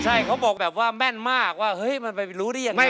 ใช่เขาบอกแบบว่าแม่นมากว่าเฮ้ยมันไปรู้ได้ยังไง